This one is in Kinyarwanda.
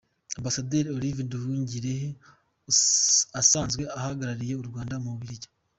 Ambasaderi Olivier Nduhungirehe asanzwe ahagarariye u Rwanda mu Bubiligi.